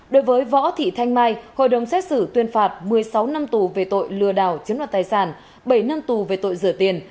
đối với võ thị thanh mai hội đồng xét xử tuyên phạt một mươi sáu năm tù về tội lừa đảo chiếm đoạt tài sản bảy năm tù về tội rửa tiền